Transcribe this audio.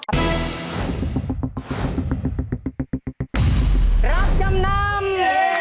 รับจำนำ